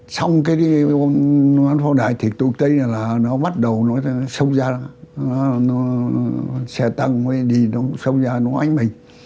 xong cái đoàn phòng đại thì tụi tây là nó bắt đầu nó xông ra nó xe tăng đi nó xông ra nó đánh mình